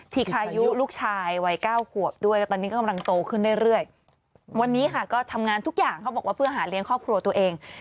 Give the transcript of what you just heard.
ที่นี่ค่ะก็ทำงานทุกอย่างเขาบอกว่าเพื่อหาเลี้ยงครอบครัวตัวเอง